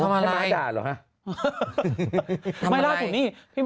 ทำอะไรทำอะไรด่าหรือฮะ